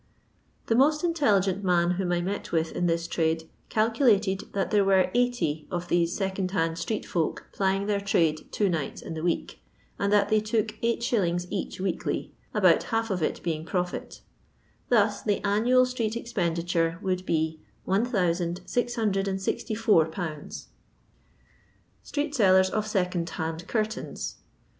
The most intelligent man whom I met with in thia trade calcukted that there were 80 of these second hand street folk plying their trade two nights in the week; and that they took 8«. each weekly, about half of it being profit ; thus the annual street expenditure would be •• p . 1,664 0 0 Street Sellers qf Second hand Cfuriains.